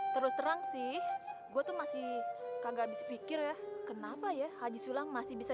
terus terang sih gue tuh masih kagak habis pikir ya kenapa ya haji sulang masih bisa